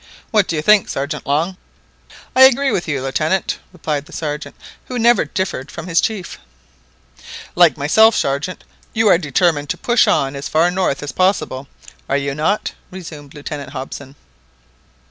What do you think, Sergeant Long?" "I agree with you, Lieutenant," replied the Sergeant, who never differed from his chief. "Like myself, Sergeant, you are determined to push on as far north as possible—are you not?" resumed Lieutenant Hobson.